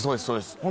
そうです